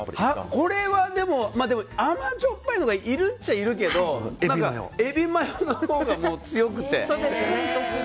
これは甘じょっぱいのがいるっちゃいるけどエビマヨのほうが強くて。